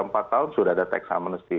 dapat tiga empat tahun sudah ada attacks amnesty